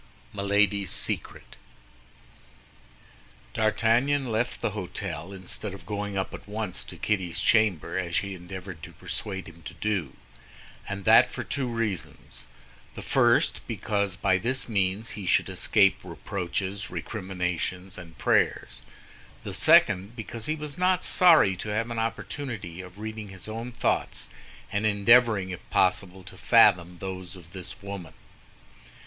MILADY'S SECRET D'Artagnan left the hôtel instead of going up at once to Kitty's chamber, as she endeavored to persuade him to do—and that for two reasons: the first, because by this means he should escape reproaches, recriminations, and prayers; the second, because he was not sorry to have an opportunity of reading his own thoughts and endeavoring, if possible, to fathom those of this woman.